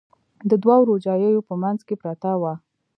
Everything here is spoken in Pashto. د دوو روجاییو په منځ کې پرته وه.